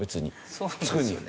そうですよね。